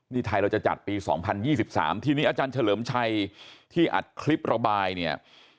นี่ไทยเราจะจัดปี๒๐๒๓ทีนี้อาจารย์เฉลิมชัยที่อัดคลิประบายเนี่ย